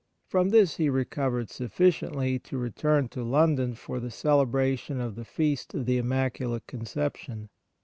From this he recovered sufficiently to return to London for the celebration of the Feast of the Immaculate Conception.